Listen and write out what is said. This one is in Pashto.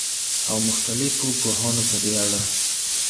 او مختلفو پوهانو په دې اړه